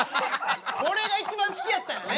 これが一番好きやったんやね。